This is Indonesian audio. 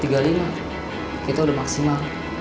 itu udah maksimal